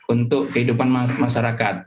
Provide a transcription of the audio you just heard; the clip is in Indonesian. untuk kehidupan masyarakat